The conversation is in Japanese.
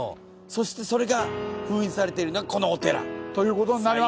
そしてそれが封印されてるのがこのお寺。ということになります。